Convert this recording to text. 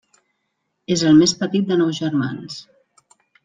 És el més petit de nou germans.